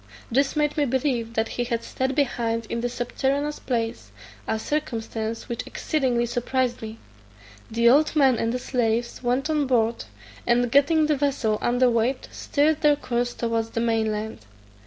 This made me believe that he had staid behind in the subterraneous place, a circumstance which exceedingly surprised me. The old man and the slaves went on board, and getting the vessel under weigh, steered their course towards the main land.